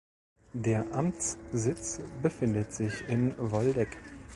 Der Amtssitz befindet sich in Woldegk.